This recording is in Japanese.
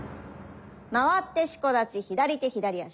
回って四股立ち左手左足。